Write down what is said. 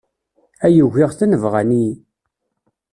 Ay ugiɣ-ten bɣan-iyi.